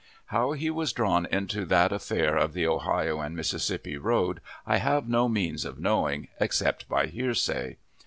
How he was drawn into that affair of the Ohio & Mississippi road I have no means of knowing, except by hearsay.